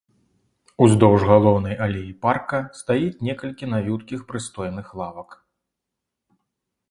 Уздоўж галоўнай алеі парка стаіць некалькі навюткіх прыстойных лавак.